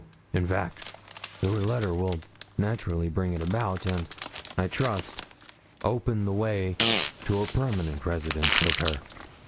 In fact, your letter will naturally bring it about, and, I trust, open the way to a permanent residence with her.